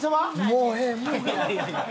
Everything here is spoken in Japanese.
もうええ！